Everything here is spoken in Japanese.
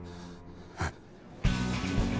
えっ？